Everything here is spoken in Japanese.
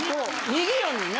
逃げよんねんな。